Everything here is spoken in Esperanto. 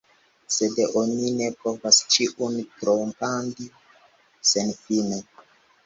Sed oni ne povas ĉiun trompadi senfine.